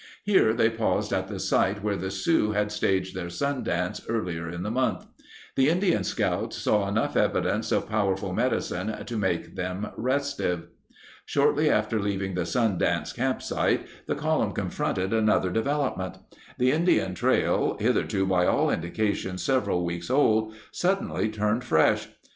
Here they paused at the site where the Sioux had staged their sun dance earlier in the month. The Indian scouts saw enough evidence of powerful medicine to make them restive. Shortly after leaving the sun dance campsite, the column confronted another development. The In dian trail, hitherto by all indications several weeks old, suddenly turned fresh.